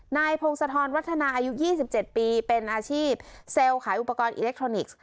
นายพงศธรวัฒนาอายุ๒๗ปีเป็นอาชีพเซลล์ขายอุปกรณ์อิเล็กทรอนิกส์